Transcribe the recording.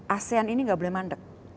asean ini nggak boleh mandek